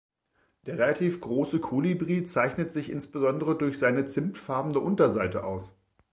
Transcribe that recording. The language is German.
Der relativ große Kolibri zeichnet sich insbesondere durch seine zimtfarbene Unterseite aus.